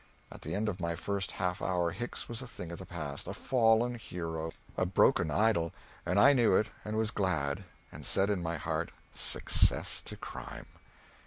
At the end of my first half hour Hicks was a thing of the past, a fallen hero, a broken idol, and I knew it and was glad, and said in my heart, Success to crime!